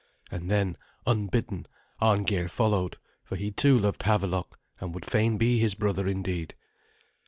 And then, unbidden, Arngeir followed, for he too loved Havelok, and would fain be his brother indeed.